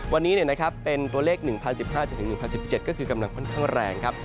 วันนี้เป็นตัวเลข๑๐๑๕๑๐๑๗ก็คือกำลังค่อนข้างแรงครับ